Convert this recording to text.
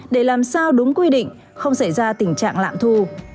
để làm sao đúng quy định không xảy ra tình trạng lạm thu